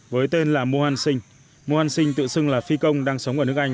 với tên là mohan singh mohan singh tự xưng là phi công đang sống ở nước anh